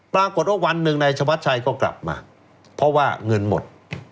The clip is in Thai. วันหนึ่งนายชวัดชัยก็กลับมาเพราะว่าเงินหมด